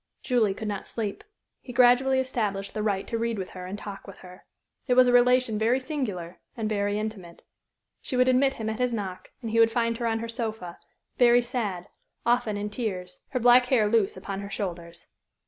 Julie could not sleep. He gradually established the right to read with her and talk with her. It was a relation very singular, and very intimate. She would admit him at his knock, and he would find her on her sofa, very sad, often in tears, her black hair loose upon her shoulders.